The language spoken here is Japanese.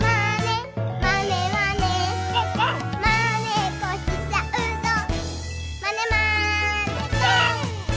「まねっこしちゃうぞまねまねぽん！」